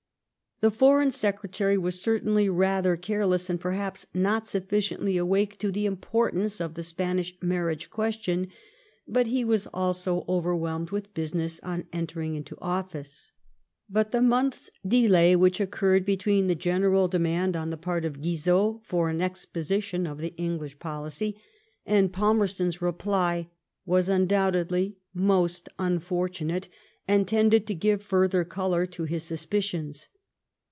The Foreign Secretary was cer tainly rather careless, and perhaps not sufficiently awake to the importance of the Spanish marriage question, but he was also overwhelmed with business on entering into office; But the month's delay which occurred between the general demand on the part of Guizot for an ex position of the English policy and Palmerston's reply was undoubtedly most unfortunate, and tended to give further colour to his suspicions.